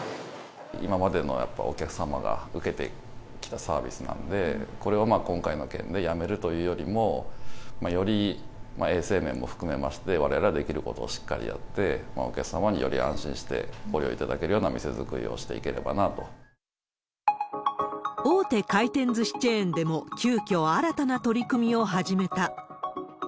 今までの、やっぱお客様が受けてきたサービスなので、これを今回の件でやめるというよりも、より衛生面も含めまして、われわれはできることをしっかりやって、お客様により安心してご利用していただけるような店づくりをして大手回転ずしチェーンでも、急きょ、新たな取り組みを始めた。